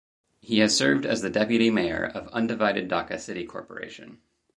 He has served as the Deputy Mayor of Undivided Dhaka City Corporation.